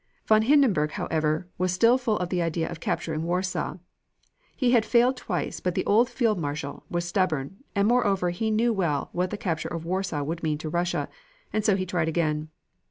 Von Hindenburg, however, was still full of the idea of capturing Warsaw. He had failed twice but the old Field Marshal was stubborn and moreover he knew well what the capture of Warsaw would mean to Russia, and so he tried again.